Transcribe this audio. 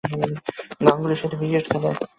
গাঙ্গুলি, যে ক্রিকেট খেলে।